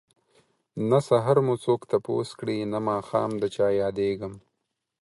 نه سحر مو څوک تپوس کړي نه ماښام ده چه ياديږم